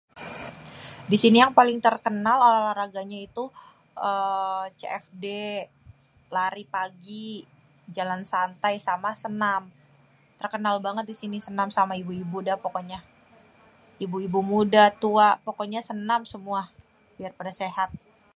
di sini yang paling terkenal olahraganya itu cfd, lari pagi, jalan santai sama senam, terkenal bangèt di sini senam sama ibu-ibu udah pokoknya, ibu-ibu muda, tua, pokoknya senam semua biar pada sehat.